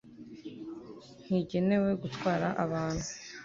ntigenewe gutwara abantu